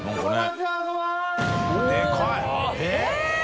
えっ！